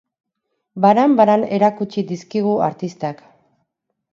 Banan-banan erakutsi dizkigu artistak.